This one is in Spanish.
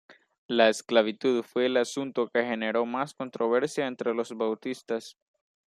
La esclavitud fue el asunto que generó más controversia entre los bautistas.